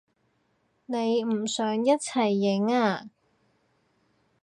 你唔想一齊影啊？